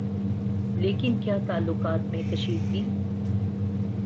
لیکن کیا تعلقات میں کشیدگی